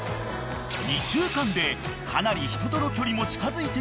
［２週間でかなり人との距離も近づいてきた２匹］